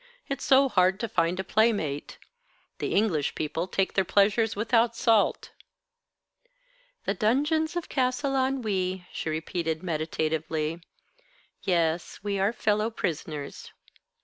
It's so hard to find a playmate. The English people take their pleasures without salt." "The dungeons of Castle Ennui," she repeated meditatively. "Yes, we are fellow prisoners.